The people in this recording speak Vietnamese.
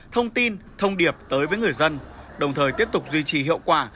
thông tin thông điệp tới với người dân đồng thời tiếp tục duy trì hiệu quả